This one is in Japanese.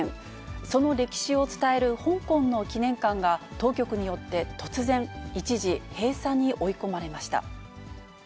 その歴史を伝える香港の記念館が当局によって突然、一時閉鎖に追い込まれました。